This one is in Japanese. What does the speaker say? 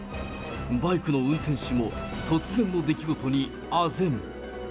バイクの運転手も、突然の出来事にあぜん。